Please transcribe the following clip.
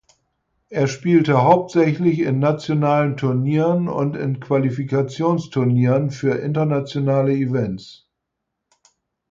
Er spielte hauptsächlich in nationalen Turnieren und in Qualifikationsturnieren für internationale Events.